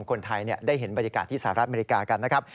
คนไทยได้เห็นบรรยากาศที่สหรัฐอเมริกากันนะครับ